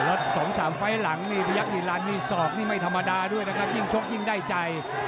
โอ้โหแล้ว๒๓เฟ้ยหลังพยักษ์หินรันมีศอกนี่ไม่ธรรมดาด้วยนะครับยิ่งโชคยิ่งได้ใจ